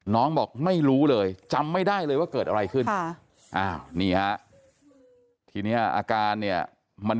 บอกไม่รู้เลยจำไม่ได้เลยว่าเกิดอะไรขึ้นนี่ฮะทีนี้อาการเนี่ยมัน